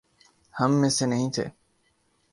ہم میں سے نہیں تھے؟